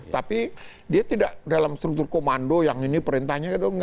tapi dia tidak dalam struktur komando yang ini perintahnya